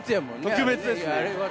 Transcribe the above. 特別ですね。